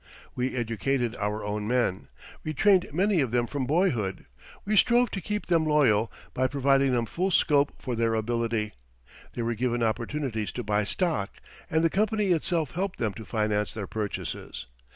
We educated our own men; we trained many of them from boyhood; we strove to keep them loyal by providing them full scope for their ability; they were given opportunities to buy stock, and the company itself helped them to finance their purchases.